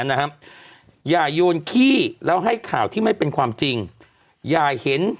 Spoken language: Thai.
นะฮะอย่าโยนขี้แล้วให้ข่าวที่ไม่เป็นความจริงอย่าเห็น